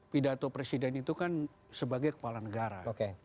pidato presiden itu kan sebagai kepala negara